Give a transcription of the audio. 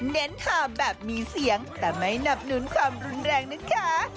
เน้นทาแบบมีเสียงแต่ไม่หนับหนุนความรุนแรงนะคะ